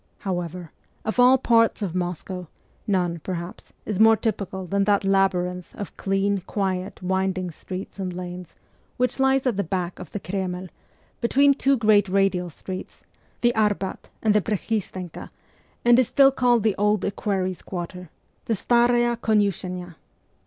However, of all parts of Moscow, none, perhaps, is more typical than that labyrinth of clean, quiet, winding streets and lanes which lies at the back of the Kreml, between two great radial streets, the Arbat and the Pre chistenka, and is still called the Old Equerries' Quarter the Staraya Konyiishennaya.